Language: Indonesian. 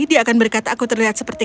jadi dia akan berkata aku terlihat seperti